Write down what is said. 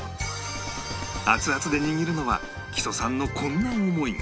熱々で握るのは木曽さんのこんな思いが